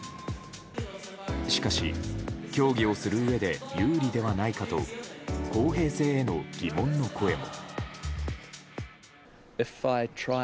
しかし競技をするうえで有利ではないかと公平性への疑問の声も。